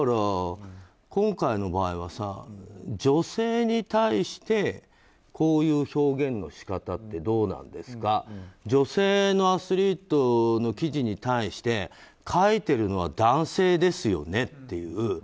今回の場合は、女性に対してこういう表現の仕方ってどうなんですか女性のアスリートの記事に対して、書いているのは男性ですよねっていう。